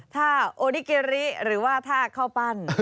ท่าโอดิเกริหรือว่าท่าเข้าปั้น